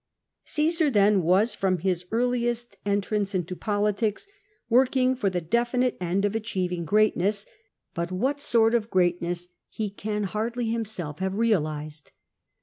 Caesar, then, was, from his earli^>st entrance into politics, working for the definite end of achieving greatness, but what sort of greatness he can hardly himself have realised.